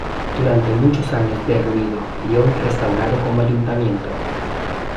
Durante muchos años derruido y hoy restaurado como Ayuntamiento.